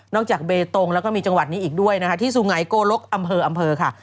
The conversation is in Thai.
นอกจากเบตงแล้วก็มีจังหวัดนี้อีกด้วยที่สุไหงโกลกอำเภอค่ะ